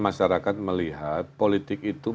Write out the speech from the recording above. masyarakat melihat politik itu